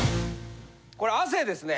これ亜生ですね。